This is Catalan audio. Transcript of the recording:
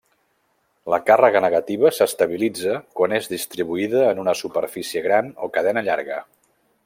La càrrega negativa s'estabilitza quan és distribuïda en una superfície gran o cadena llarga.